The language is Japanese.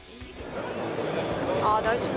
あ大丈夫。